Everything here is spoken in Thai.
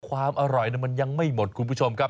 ความอร่อยมันยังไม่หมดคุณผู้ชมครับ